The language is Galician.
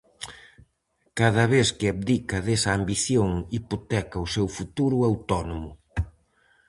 Cada vez que abdica desa ambición, hipoteca o seu futuro autónomo.